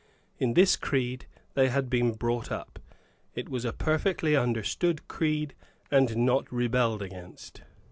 In this creed they had been brought up. It was a perfectly understood creed, and not rebelled against.